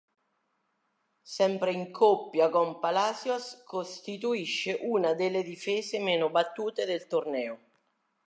Sempre in coppia con Palacios, costituisce una delle difese meno battute del torneo.